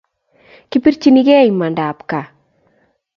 Kipirchinigei imandab kaa